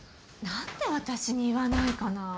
何で私に言わないかなあ。